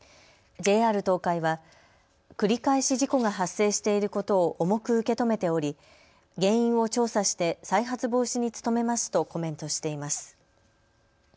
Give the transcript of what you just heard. ＪＲ東海は繰り返し事故が発生していることを重く受け止めており原因を調査して再発防止に努めますとコメントしています。